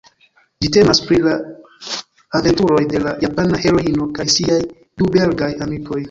Ĝi temas pri la aventuroj de la Japana heroino kaj siaj du belgaj amikoj.